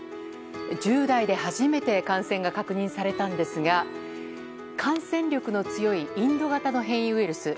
１０代で初めて感染が確認されたんですが感染力の強いインド型の変異ウイルス。